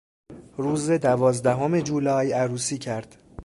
روز دوازدهم جولای عروسی کرد.